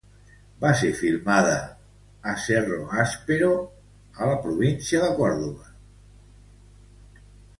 Va ser filmada a Cerro Áspero a la província de Còrdova.